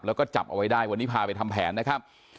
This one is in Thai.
แล้วก็จับเอาไว้ได้วันนี้พาไปทำแผนนะครับ